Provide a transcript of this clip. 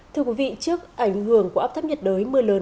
thưa quý vị trước ảnh hưởng của áp thấp nhiệt đới mưa lớn